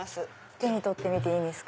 手に取って見ていいですか？